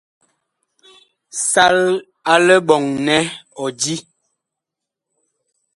Sal a liɓɔŋ nɛ ɔ di.